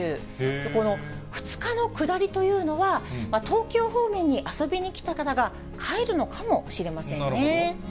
この２日の下りというのは、東京方面に遊びに来た方が帰るのかもしれませんね。